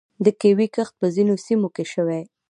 د کیوي کښت په ځینو سیمو کې شوی.